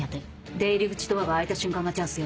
出入り口ドアが開いた瞬間がチャンスよ。